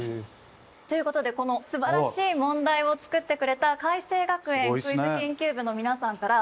ということでこのすばらしい問題を作ってくれた開成学園クイズ研究部の皆さんから